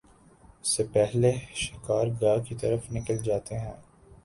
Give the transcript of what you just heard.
سے پہلے شکار گاہ کی طرف نکل جاتے ہیں